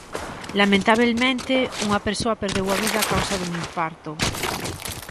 Lamentabelmente, unha persoa perdeu a vida a causa dun infarto.